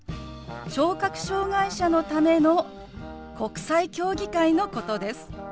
・聴覚障害者のための国際競技会のことです。